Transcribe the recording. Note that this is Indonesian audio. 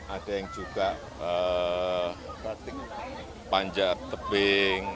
ada yang juga batik panjat tebing